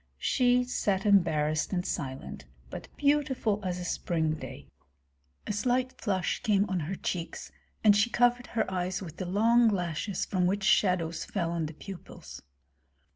She sat embarrassed and silent, but beautiful as a spring day. A slight flush came on her cheeks, and she covered her eyes with the long lashes from which shadows fell on the pupils.